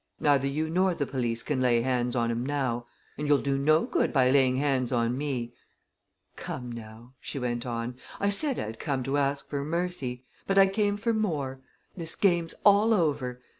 Neither you nor the police can lay hands on 'em now. And you'll do no good by laying hands on me. Come now," she went on, "I said I'd come to ask for mercy. But I came for more. This game's all over!